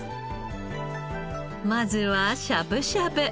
まずはしゃぶしゃぶ。